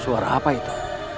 suara apa itu